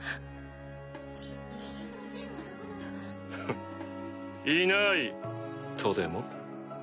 フッいないとでも？